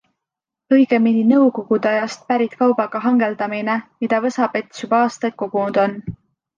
Õigemini nõukogude ajast pärit kaubaga hangeldamine, mida Võsa-Pets juba aastaid kogunud on.